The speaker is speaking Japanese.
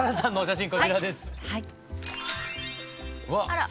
あら。